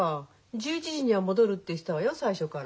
１１時には戻るって言ってたわよ最初から。